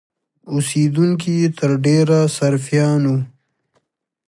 اوسېدونکي یې تر ډېره سرفیان وو.